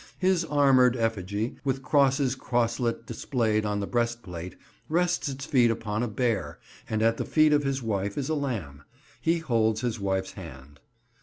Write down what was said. His armoured effigy, with crosses crosslet displayed on the breastplate, rests its feet upon a bear, and at the feet of his wife is a lamb. He holds his wife's hand.